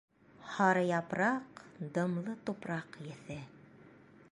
Һары япраҡ, дымлы тупраҡ еҫе...